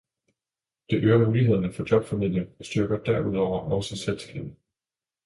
Den øger mulighederne for jobformidling og styrker derudover også selvtilliden.